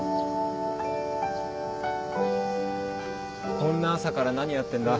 こんな朝から何やってんだ？